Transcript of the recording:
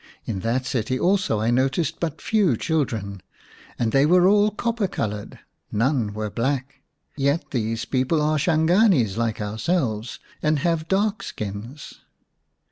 " In that city also I noticed but few children, and they were all copper coloured, none were black. Yet these people are Shanganis like ourselves, and have dark skins."